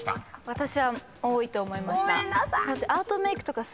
私は多いと思いました。